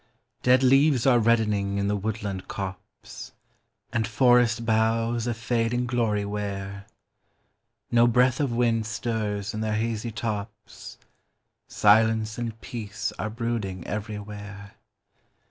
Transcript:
Dead leaves are reddening in the woodland copse, And forest boughs a fading glory wear; No breath of wind stirs in their hazy tops, Silence and peace are brooding everywhere.